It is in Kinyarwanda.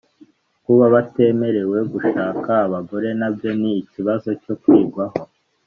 kuba batemerewe gushaka abagore nabyo ni ikibazo cyo kwigwaho